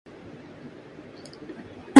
کم ہمت لوگ باتوں کے چسکے لے رہے ہیں